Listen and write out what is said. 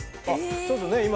ちょっとね今。